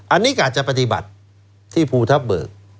อันนี้ก็อาจจะปฏิบัติที่ภูทับเบิก